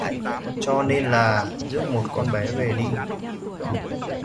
Cho nên là rước một con bé về đi